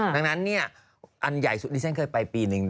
ดังนั้นอันใหญ่สุดที่ฉันเคยไปปีนึง